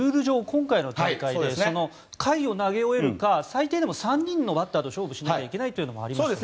今回の大会は、回を投げ終えるか最低でも３人のバッターと勝負しないといけないというのもありますね。